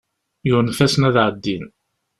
Yunef-asen ad ɛeddin.